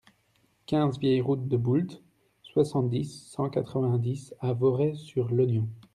quinze vieille Route de Boult, soixante-dix, cent quatre-vingt-dix à Voray-sur-l'Ognon